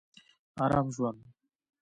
ارام ژوند